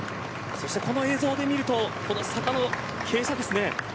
この映像で見るとこの坂の傾斜ですね。